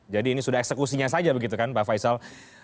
jadi ini sudah eksekusinya saja begitu kan pak faisal